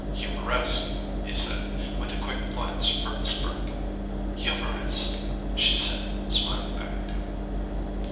"'Humoresque,'" he said, with a quick glance for Miss Berg. "'Humoresque,'" she said, smiling back at him.